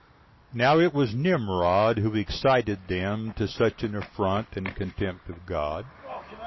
2. Now it was Nimrod who excited them to such an affront and contempt of God.